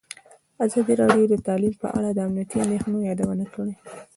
ازادي راډیو د تعلیم په اړه د امنیتي اندېښنو یادونه کړې.